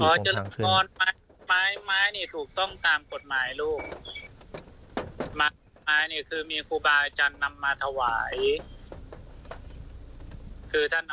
มากในคือมีกูบาวจานำมาถวาย